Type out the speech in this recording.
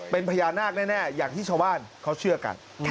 เป็นพญานาคแน่อย่างที่ชาวบ้านเขาเชื่อกัน